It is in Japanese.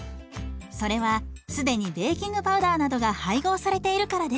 それは既にベーキングパウダーなどが配合されているからです。